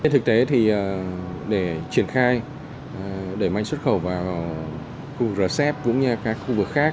thực tế thì để triển khai để mang xuất khẩu vào khu rcep cũng như các khu vực khác